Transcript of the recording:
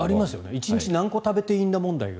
１日何個食べていいんだ問題が。